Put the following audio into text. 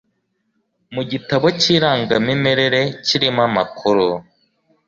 mu gitabo cy irangamimerere kirimo amakuru